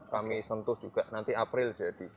kami sentuh juga nanti april jadi